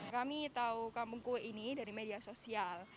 kami tahu kampung kue ini dari media sosial